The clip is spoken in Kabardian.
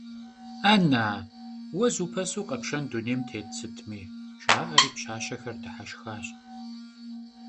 Ana, vue zupesu khepşşen dunêym têt sıtmi? – jja'eri pşaşexer dıheşşxaş.